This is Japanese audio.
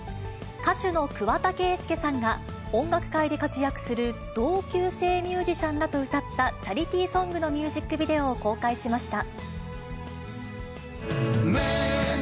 歌手の桑田佳祐さんが、音楽界で活躍する同級生ミュージシャンらと歌ったチャリティーソングのミュージックビデオを公開しました。